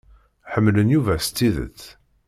Ḥemmlen Yuba s tidet.